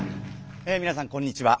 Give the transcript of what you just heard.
えみなさんこんにちは。